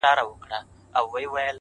دا مي سوگند دی _